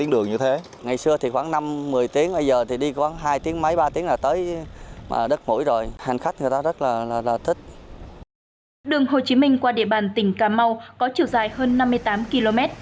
đường hồ chí minh qua địa bàn tỉnh cà mau có chiều dài hơn năm mươi tám km